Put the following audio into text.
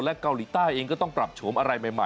เกาหลีใต้เองก็ต้องปรับโฉมอะไรใหม่